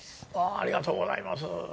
ありがとうございます！